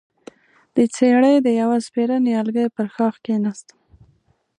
د څېړۍ د يوه سپېره نيالګي پر ښاخ کېناستم،